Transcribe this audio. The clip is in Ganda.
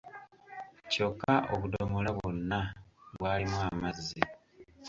Kyokka obudomola bwonna bwalimu amazzi.